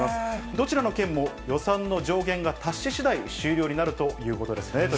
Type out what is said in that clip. どちらの県も予算の上限が達ししだい、終了になるということです